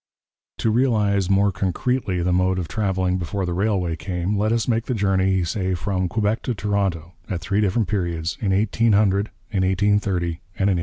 To realize more concretely the mode of travelling before the railway came, let us make the journey, say, from Quebec to Toronto, at three different periods, in 1800, in 1830, and in 1850.